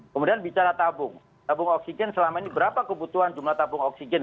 kemudian bicara tabung tabung oksigen selama ini berapa kebutuhan jumlah tabung oksigen